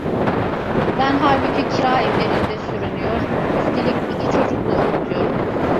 Ben halbuki kira evlerinde sürünüyor, üstelik iki çocuk da okutuyorum…